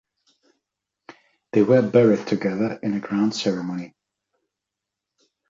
They were buried together in a grand ceremony.